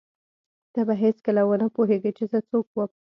ته به هېڅکله ونه پوهېږې چې زه څوک وم.